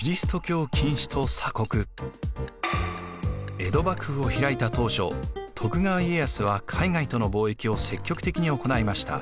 江戸幕府を開いた当初徳川家康は海外との貿易を積極的に行いました。